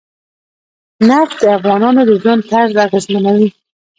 نفت د افغانانو د ژوند طرز اغېزمنوي.